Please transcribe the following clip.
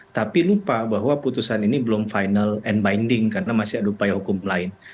tapi lupa bahwa putusan ini belum final and binding karena masih ada upaya hukum lain